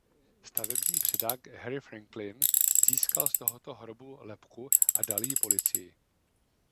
Stavební předák Harry Franklin získal z tohoto hrobu lebku a dal ji policii.